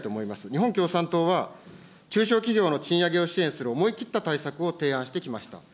日本共産党は、中小企業の賃上げを支援する思い切った対策を提案してきました。